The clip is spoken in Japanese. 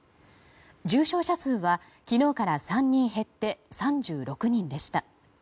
重症者数は昨日から３人減って３６人でした。